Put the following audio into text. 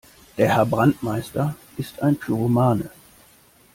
Der Herr Brandmeister ist ein Pyromane.